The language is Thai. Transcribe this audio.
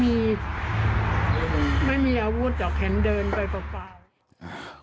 ไม่มีอาวุธหรอกแขนเดินไปเปล่า